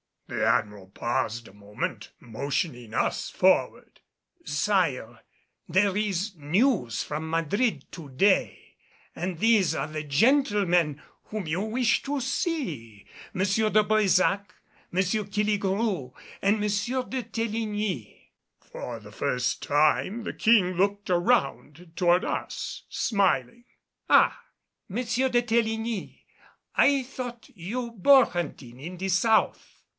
The Admiral paused a moment, motioning us forward. "Sire, there is news from Madrid to day, and these are the gentlemen whom you wished to see, M. de Brésac, M. Killigrew and M. de Teligny." For the first time the King looked around toward us, smiling. "Ah, M. de Teligny, I thought you boar hunting in the South."